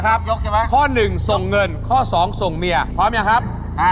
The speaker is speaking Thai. ข้อหนึ่งทรงเงินข้อสองทรงเมียพร้อมยังครับ